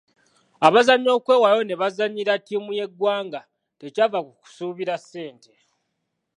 Abazannyi okwewaayo ne bazannyira ttiimu y’eggwanga tekyava ku kusuubira ssente.